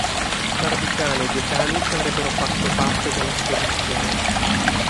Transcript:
Barbicane e due cani che avrebbero fatto parte della spedizione.